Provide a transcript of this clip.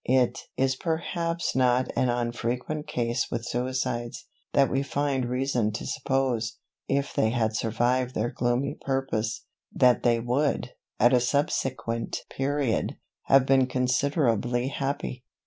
It is perhaps not an unfrequent case with suicides, that we find reason to suppose, if they had survived their gloomy purpose, that they would, at a subsequent period, have been considerably happy.